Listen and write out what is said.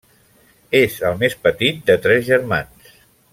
És el més petit de tres germans.